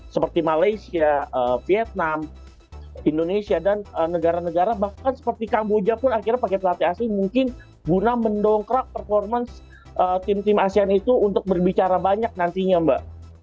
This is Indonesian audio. seperti malaysia vietnam indonesia dan negara negara bahkan seperti kamboja pun akhirnya pakai pelatih asing mungkin guna mendongkrak performance tim tim asean itu untuk berbicara banyak nantinya mbak